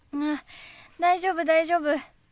あ大丈夫大丈夫。